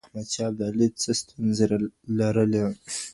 د واکمنۍ په وروستیو کي احمد شاه ابدالي څه ستونزي لرلې؟